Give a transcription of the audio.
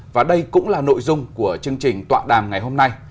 và đây cũng là nội dung của chương trình tọa đàm ngày hôm nay